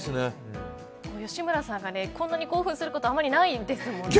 吉村さんがこんなに興奮することないですもんね。